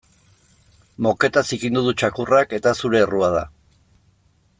Moketa zikindu du txakurrak eta zure errua da.